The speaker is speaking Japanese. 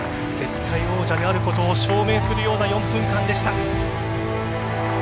絶対王者であることを証明するような４分間でした。